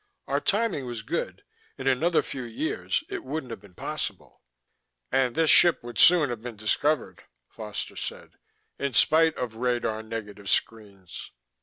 "Our timing was good; in another few years, it wouldn't have been possible." "And this ship would soon have been discovered," Foster said. "In spite of radar negative screens."